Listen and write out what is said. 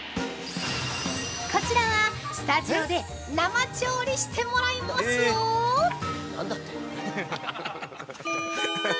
こちらは、スタジオで生調理してもらいますよー。